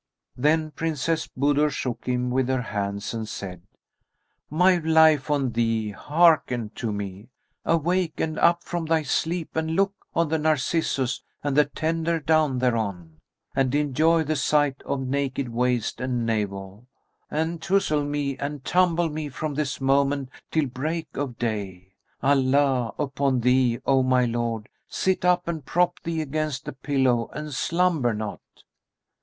Then Princess Budur shook him with her hands and said, "My life on thee, hearken to me; awake and up from thy sleep and look on the narcissus and the tender down thereon, and enjoy the sight of naked waist and navel; and touzle me and tumble me from this moment till break of day! Allah upon thee, O my lord, sit up and prop thee against the pillow and slumber not!"